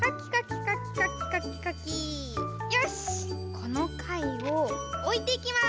このかいをおいていきます！